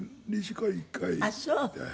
あっそう。